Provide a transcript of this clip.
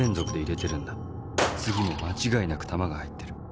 次も間違いなく弾が入ってる。